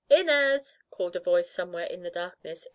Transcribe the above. "Inez!" called a voice somewhere in the darkness.